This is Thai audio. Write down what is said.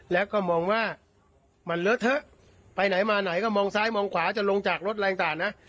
แล้วก็มองว่ามันเลอะเถอะไปไหนมาไหนก็มองซ้ายมองขวาจะลงจากรถอะไรต่างนะ